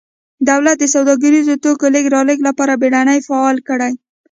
دولت د سوداګریزو توکو لېږد رالېږد لپاره بېړۍ فعالې کړې